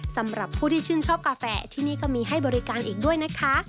สำหรับผู้ที่ชื่นชอบกาแฟที่นี่ก็มีให้บริการอีกด้วยนะคะ